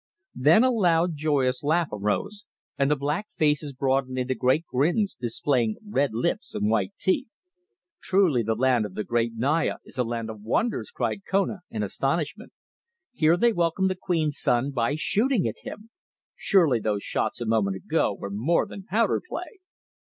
Then a loud, joyous laugh arose, and the black faces broadened into great grins, displaying red lips and white teeth. "Truly the land of the great Naya is a land of wonders!" cried Kona, in astonishment. "Here they welcome the queen's son by shooting at him. Surely those shots a moment ago were more than powder play!"